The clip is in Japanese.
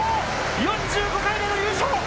４５回目の優勝！